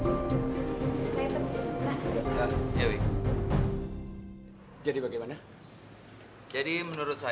tunggu ujung saya